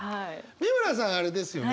美村さんあれですよね